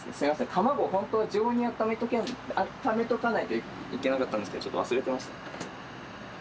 卵ほんとは常温にあっためとかないといけなかったんですけどちょっと忘れてました。